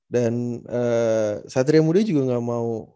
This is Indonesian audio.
dan satria muda juga gak mau